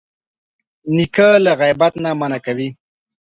نیکه له غیبت نه منع کوي.